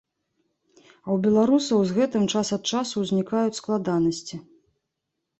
А ў беларусаў з гэтым час ад часу ўзнікаюць складанасці.